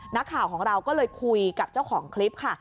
นักข่าวของเราก็เลยคุยกับเจ้าของคลิปค่ะ